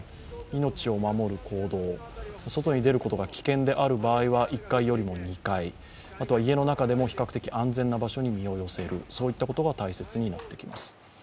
命を守る行動、外に出ることが危険である場合は１階よりも２階、あとは家の中でも比較的安全な場所に身を寄せるといったことが大切になってきます。